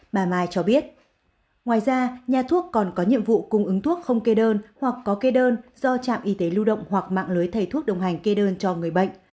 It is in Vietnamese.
bà mai cho biết ngoài ra nhà thuốc còn có nhiệm vụ cung ứng thuốc không kê đơn hoặc có kê đơn do trạm y tế lưu động hoặc mạng lưới thầy thuốc đồng hành kê đơn cho người bệnh